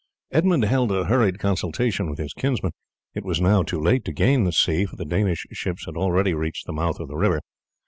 Edmund held a hurried consultation with his kinsman. It was now too late to gain the sea, for the Danish ships had already reached the mouth of the river.